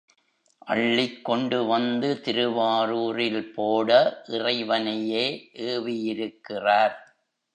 அள்ளிக் கொண்டு வந்து திருவாரூரில் போட இறைவனையே ஏவியிருக்கிறார்.